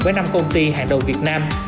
bởi năm công ty hàng đầu việt nam